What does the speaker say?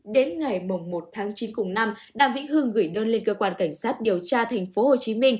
đến ngày một tháng chín cùng năm đàm vĩnh hương gửi đơn lên cơ quan cảnh sát điều tra tp hcm